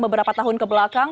beberapa tahun ke belakang